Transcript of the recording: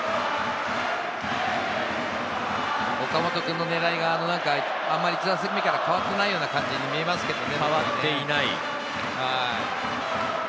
岡本君の狙いが１打席目から変わってない感じに見えますけどね。